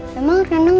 gak ada lagi